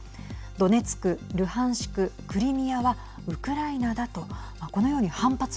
ドネツク、ルハンシククリミアは、ウクライナだとはい。